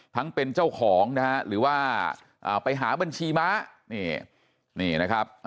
ทั้งเป็นเจ้าของนะฮะหรือว่าไปหาบัญชีม้านี่นี่นะครับ